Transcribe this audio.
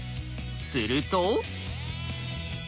すると。